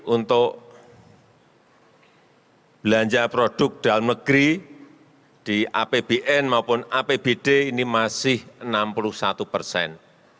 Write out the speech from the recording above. untuk belanja produk dalam negeri di apbn maupun apbd ini masih enam puluh satu persen